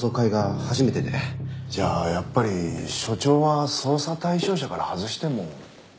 じゃあやっぱり署長は捜査対象者から外しても。